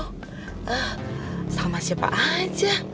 eh sama siapa aja